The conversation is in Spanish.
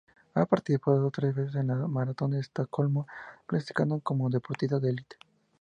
Ha participado tres veces en la Maratón de Estocolmo, clasificando como deportista de elite.